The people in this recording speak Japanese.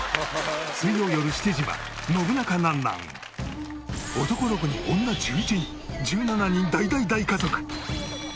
水曜よる７時は男６人女１１人１７人大大大家族。